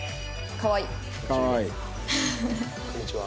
かわいい。